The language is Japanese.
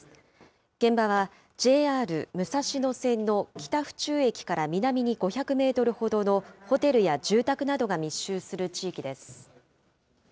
現場はＪＲ武蔵野線の北府中駅から南に５００メートルほどの、ホテルや住宅などが密集する地域です。